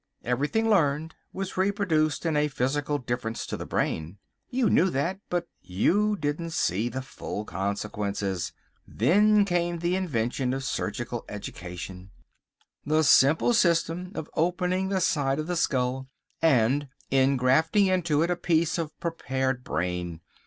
Everything learned was reproduced in a physical difference to the brain. You knew that, but you didn't see the full consequences. Then came the invention of surgical education—the simple system of opening the side of the skull and engrafting into it a piece of prepared brain.